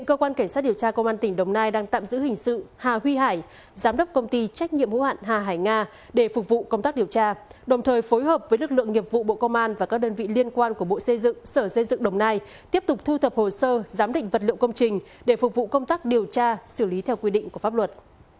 cơ quan cảnh sát điều tra công an tỉnh đồng nai đang tạm giữ hình sự hà huy hải giám đốc công ty trách nhiệm hữu hạn hà hải nga để phục vụ công tác điều tra đồng thời phối hợp với lực lượng nghiệp vụ bộ công an và các đơn vị liên quan của bộ xây dựng sở xây dựng đồng nai tiếp tục thu thập hồ sơ giám định vật liệu công trình để phục vụ công tác điều tra xử lý theo quy định của pháp luật